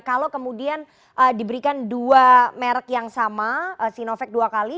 kalau kemudian diberikan dua merek yang sama sinovac dua kali